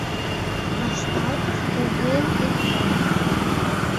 Вашталтыш кугун уке.